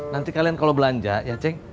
nanti kalian kalau belanja ya ceng